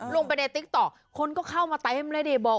ลงไปในติ๊กต่อคนก็เข้ามาไต้ให้มันได้บอก